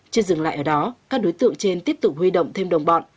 chưa dừng lại ở đó các đối tượng trên tiếp tục huy động thêm đồng bọn